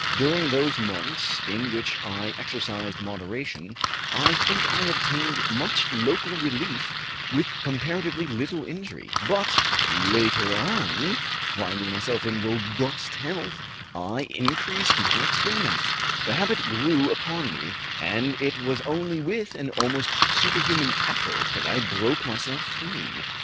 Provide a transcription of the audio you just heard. During those months in which I exercised moderation, I think I obtained much local relief with comparatively little injury, but, later on, finding myself in robust health, I increased my experiments, the habit grew upon me, and it was only with an almost superhuman effort that I broke myself free.